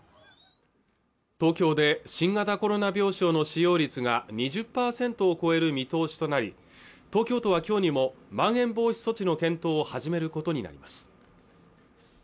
東京で新型コロナ病床の使用率が２０％を超える見通しとなり東京都は今日にもまん延防止措置の検討を始めることになります